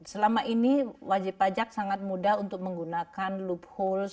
selama ini wajib pajak sangat mudah untuk menggunakan loopholes